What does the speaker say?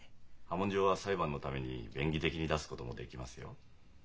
破門状は裁判のために便宜的に出すこともできますよ。